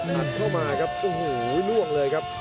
ทัดเข้ามาครับหูล่วงเลยครับ